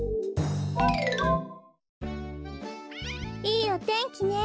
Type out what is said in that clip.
いいおてんきね！